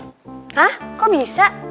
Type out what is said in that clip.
hah kok bisa